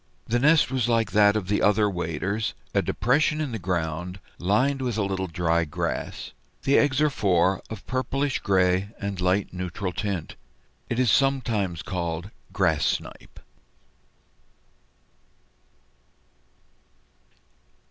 The nest was like that of the other waders, a depression in the ground, lined with a little dry grass. The eggs are four, of pale purplish gray and light neutral tint. It is sometimes called Grass Snipe.